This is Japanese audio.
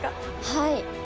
はい。